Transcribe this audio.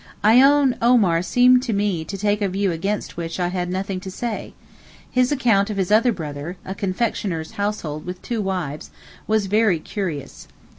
I own Omar seemed to me to take a view against which I had nothing to say. His account of his other brother, a confectioner's household with two wives, was very curious.